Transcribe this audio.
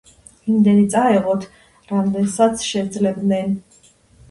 იმდენი წაეღოთ, რამდენსაც შეძლებდნენ